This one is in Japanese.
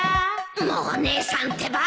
もう姉さんってば